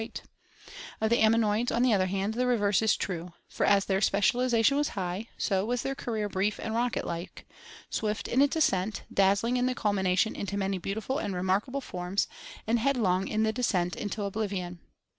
great of the ammonoids, on the other hand, the reverse is true, for as their special ization was high, so was their career brief and rocket like — swift in its ascent, dazzling in the culmination into many beautiful and remarkable forms, and headlong in the descent into oblivion.